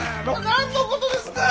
何のことですか？